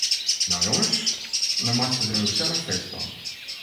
No jonges, no meitsje we der in gesellich feest fan.